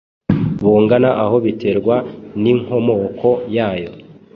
bungana aho biterwa n’inkomoko yayo.